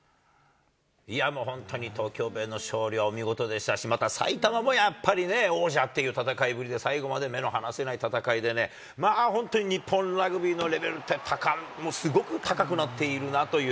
いやもう、本当に東京ベイの勝利はお見事でしたし、また埼玉もやっぱりね、王者っていう戦いぶりで、最後まで目の離せない戦いでね、本当に日本ラグビーのレベルってすごく高くなっているなという、